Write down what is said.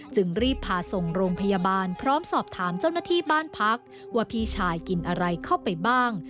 จึงรีบพาส่งโรงพยาบาลพร้อมสอบถามเจ้าหน้าที่บ้านพักว่าพี่ชายกินอะไรเข้าไปบ้าง